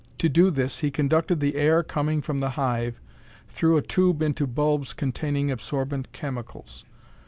To do this he conducted the air coming from the hive through a tube into bulbs containing absorbent chemicals.